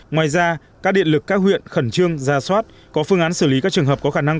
ngoài ra các điện lực các huyện khẩn trương ra soát có phương án xử lý các trường hợp có khả năng